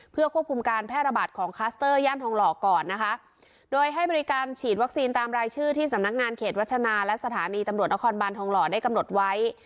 เพื่อควบคุมการแพร่ระบาดของคลัสเตอร์ย่านทองหล่อก่อนนะคะโดยให้บริการฉีดวัคซีนตามรายชื่อที่สำนักงานเขตวัฒนาและสถานีตำรวจนครบานทองหล่อได้กำหนดไว้